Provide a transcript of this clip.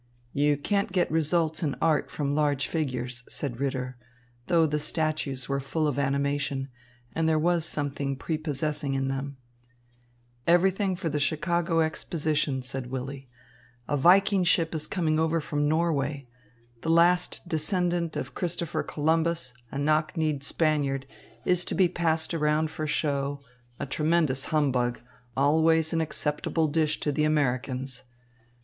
"You can't get results in art from large figures," said Ritter, though the statues were full of animation, and there was something prepossessing in them. "Everything for the anniversary of 1492, everything for the Chicago Exposition," said Willy. "A Viking ship is coming over from Norway. The last descendant of Christopher Columbus, a knock kneed Spaniard, is to be passed around for show, a tremendous humbug, always an acceptable dish to the Americans.